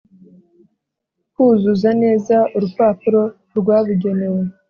kuzuza neza urupapuro rwabugenewe.